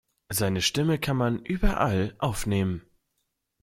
Seine Stimme kann man überall aufnehmen.